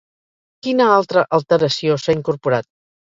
Quina altra alteració s'ha incorporat?